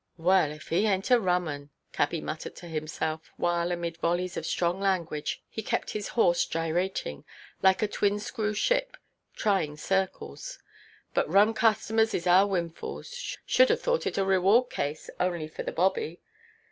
"Well, if he ainʼt a rum 'un," Cabby muttered to himself, while amid volleys of strong language he kept his horse gyrating, like a twin–screw ship trying circles; "but rum customers is our windfalls. Should have thought it a reward case, only for the Bobby.